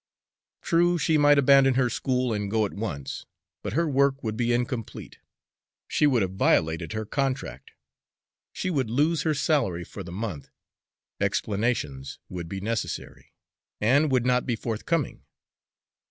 True, she might abandon her school and go at once; but her work would be incomplete, she would have violated her contract, she would lose her salary for the month, explanations would be necessary, and would not be forthcoming.